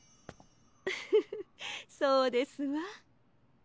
ウフフそうですわ。